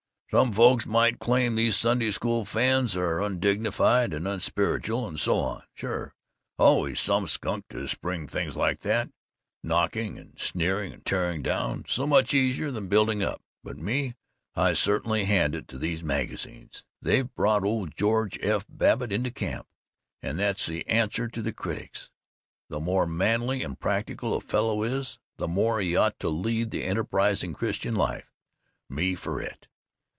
"Some folks might claim these Sunday School fans are undignified and unspiritual and so on. Sure! Always some skunk to spring things like that! Knocking and sneering and tearing down so much easier than building up. But me, I certainly hand it to these magazines. They've brought ole George F. Babbitt into camp, and that's the answer to the critics! "The more manly and practical a fellow is, the more he ought to lead the enterprising Christian life. Me for it!